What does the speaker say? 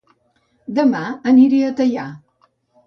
Dema aniré a Teià